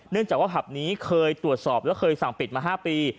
จากว่าผับนี้เคยตรวจสอบและเคยสั่งปิดมา๕ปี